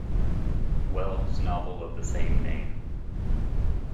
Wells novel of the same name.